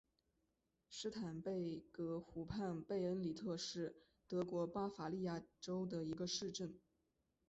施坦贝格湖畔贝恩里特是德国巴伐利亚州的一个市镇。